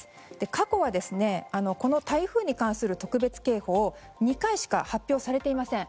過去はこの台風に関する特別警報２回しか発表されていません。